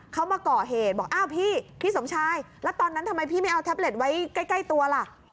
เขามาก่อเหตุบอกอ้าวพี่พี่สมชายแล้วตอนนั้นทำไมพี่ไม่เอาแท็บเล็ตไว้ใกล้ตัวล่ะ